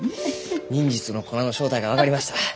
忍術の粉の正体が分かりました。